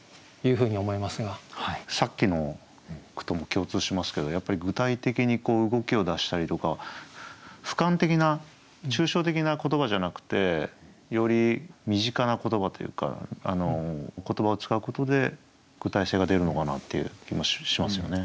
さっきの句とも共通しますけどやっぱり具体的に動きを出したりとかふかん的な抽象的な言葉じゃなくてより身近な言葉というか言葉を使うことで具体性が出るのかなっていう気もしますよね。